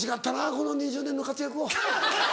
この２０年の活躍を。